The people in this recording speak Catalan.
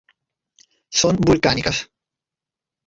Són volcàniques.